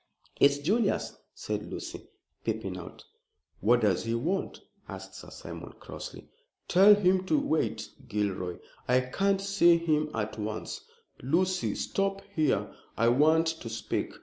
"It's Julius," said Lucy, peeping out. "What does he want?" asked Sir Simon, crossly. "Tell him to wait, Gilroy. I can't see him at once. Lucy, stop here, I want to speak."